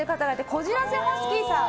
こじらせハスキーさん。